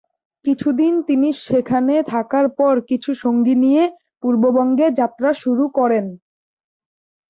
কিছুদিন তিনি সেখানে থাকার পর কিছু সঙ্গী নিয়ে পূর্ব বঙ্গে যাত্রা শুরু করেন।